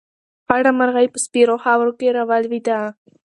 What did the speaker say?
خړه مرغۍ په سپېرو خاورو کې راولوېده.